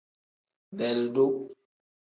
Beelidu.